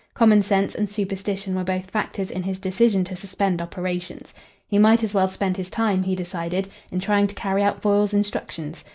Common sense and superstition were both factors in his decision to suspend operations. He might as well spend his time, he decided, in trying to carry out Foyle's instructions.